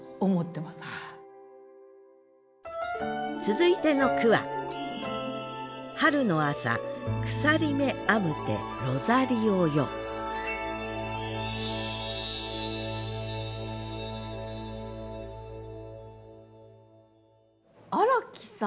続いての句は荒木さん。